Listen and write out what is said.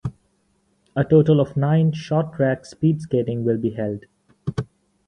A total of nine short track speed skating will be held.